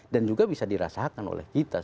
dan juga bisa dirasakan oleh kita